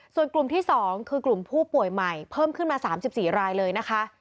ส่วนกลุ่มที่๒คือกลุ่มผู้ป่วยใหม่เพิ่มขึ้นมา๓๔รายเลยนะคะ